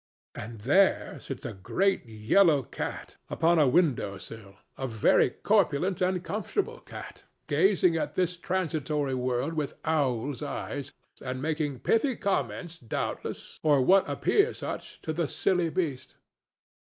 —And there sits a great yellow cat upon a window sill, a very corpulent and comfortable cat, gazing at this transitory world with owl's eyes, and making pithy comments, doubtless, or what appear such, to the silly beast.